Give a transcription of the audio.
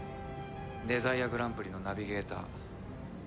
デザイアグランプリのナビゲーター。